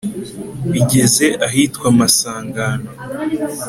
bigeza ahitwa masangano